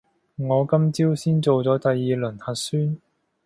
我今朝先做咗第二輪核酸